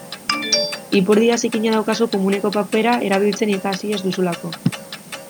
Ipurdia zikina daukazu komuneko papera erabiltzen ikasi ez duzulako.